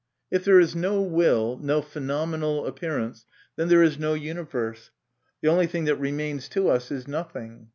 If there is no will, no phenomenal appearance, then there is no universe. The only thing that remains to us is nothing.